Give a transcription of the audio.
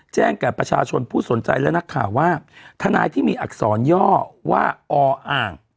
แก่ประชาชนผู้สนใจและนักข่าวว่าทนายที่มีอักษรย่อว่าออ่าง